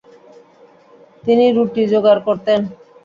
তিনি রুটি যোগাড় করতেন।